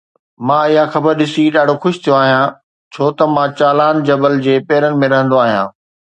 مان اها خبر ڏسي ڏاڍو خوش ٿيو آهيان ڇو ته مان چالان جبل جي پيرن ۾ رهندو آهيان